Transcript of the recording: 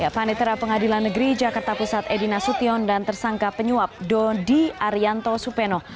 panitera pengadilan negeri jakarta pusat edi nasution dan tersangka penyuap dodi arianto supeno